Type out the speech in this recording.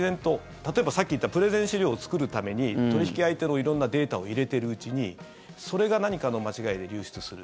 例えばさっき言ったプレゼン資料を作るために取引相手の色んなデータを入れているうちにそれが何かの間違いで流出する。